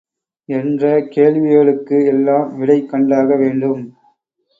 என்ற கேள்விகளுக்கு எல்லாம் விடை கண்டாக வேண்டும்.